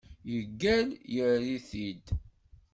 Yeggal yerr-it-id.